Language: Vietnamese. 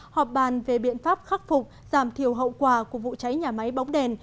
họp bàn về biện pháp khắc phục giảm thiểu hậu quả của vụ cháy nhà máy bóng đèn